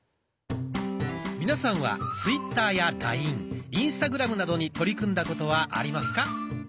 皆さんはツイッターやラインインスタグラムなどに取り組んだことはありますか？